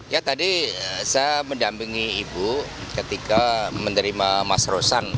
ya tadi saya mendampingi ibu ketika menerima mas rosan